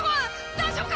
大丈夫か？